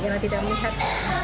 karena tidak melihat